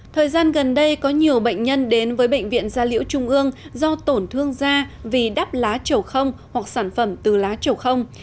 thời gian gần đây có nhiều bệnh nhân đến với bệnh viện gia liễu trung ương do tổn thương da vì đắp lá trầu không hoặc sản phẩm từ lá trầu không